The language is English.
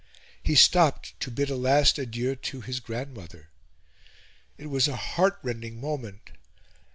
He stopped to bid a last adieu to his grandmother. It was a heartrending moment.